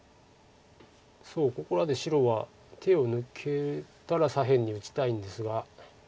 そうここらで白は手を抜けたら左辺に打ちたいんですが。